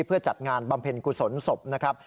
เพื่อจัดงานบำเพ็ญกุศลศพนะครับ